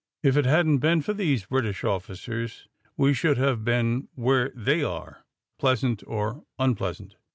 "If it hadn't been for these British officers, we should have been where they are, pleasant or unpleasant."